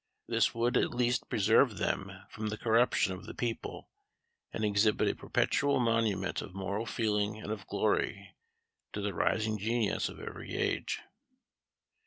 This would at least preserve them from the corruption of the people, and exhibit a perpetual monument of moral feeling and of glory, to the rising genius of every age.